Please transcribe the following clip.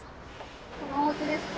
このおうちですか？